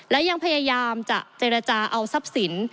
และยังพยายามจะเจรจาเอาทรัพย์สิน